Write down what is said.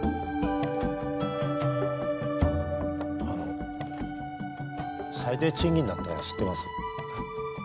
あの最低賃金だったら知ってます。